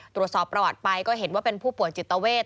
ตรวจสอบประวัติไปก็เห็นว่าเป็นผู้ป่วยจิตเวท